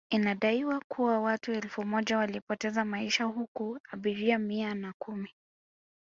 Inadaiwa kuwa watu elfu moja walipoteza maisha huku abiria Mia na kumi